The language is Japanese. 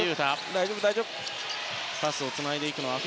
大丈夫、大丈夫。